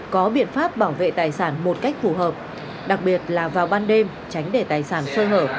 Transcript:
có biện pháp bảo vệ tài sản một cách phù hợp đặc biệt là vào ban đêm tránh để tài sản sơ hở